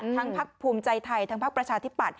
ทั้งพรรคภูมิใจไทยทั้งพรรคประชาธิปัตย์